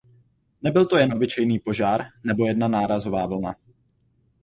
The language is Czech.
Nebyl to jen obyčejný požár nebo jedna nárazová vlna.